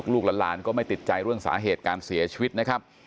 ลูกหลานก็ไม่ติดใจเรื่องสาเหตุการเสียชีวิตนะครับ